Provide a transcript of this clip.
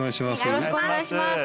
よろしくお願いします